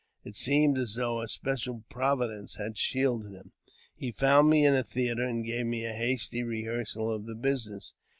It seemed as though a special provi :lence had shielded him. He found me in the theatre, and gave me a hasty rehearsal )f the business.